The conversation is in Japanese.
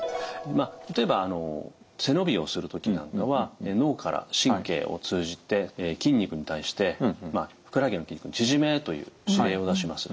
例えば背伸びをする時なんかは脳から神経を通じて筋肉に対してまあふくらはぎの筋肉に縮めという指令を出します。